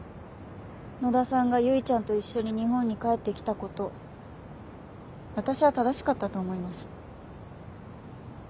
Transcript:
野田さんが唯ちゃんと一緒に日本に帰ってきたこと私は正しかったと思います。